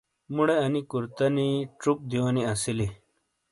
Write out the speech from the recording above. مُوڑے انی کُرتنی چُک دیونی اسیلی۔